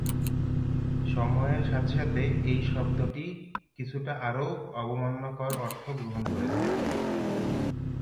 সময়ের সাথে সাথে এই শব্দটি কিছুটা আরও অবমাননাকর অর্থ গ্রহণ করেছে।